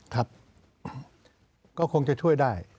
ครับก็คงจะช่วยได้